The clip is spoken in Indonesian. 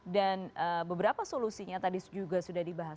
dan beberapa solusinya tadi juga sudah dibahas